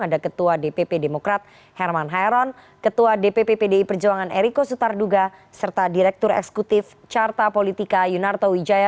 ada ketua dpp demokrat herman hairon ketua dpp pdi perjuangan eriko sutarduga serta direktur eksekutif carta politika yunarto wijaya